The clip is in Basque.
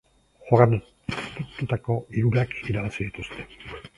Jokatutako hirurak irabazi dituzte.